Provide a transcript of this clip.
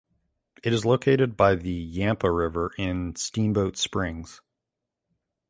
It is located by the Yampa River in Steamboat Springs.